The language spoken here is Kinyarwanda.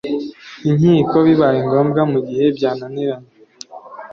inkiko bibaye ngombwa mu gihe byananiranye